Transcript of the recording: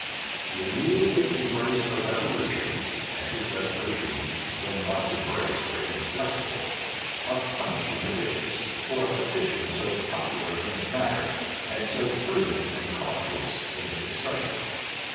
He immediately embraced a resolution (and his resolutions, when once embraced, were inflexible) of punishing the bishops, for a petition so popular in its matter, and so prudent and cautious in the expression.